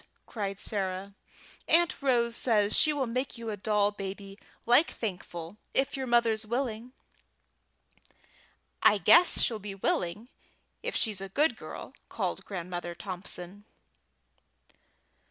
cried Sarah, "Aunt Rose says she will make you a doll baby like Thankful, if your mother's willing!" "I guess she'll be willing if she's a good girl," called Grandmother Thompson.